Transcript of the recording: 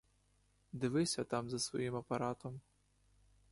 Дивись отам за своїм апаратом.